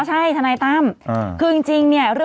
ใช่ทนายตั้มคือจริงเนี่ย